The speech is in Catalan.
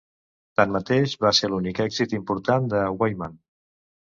Tanmateix, va ser l'únic èxit important de Wyman.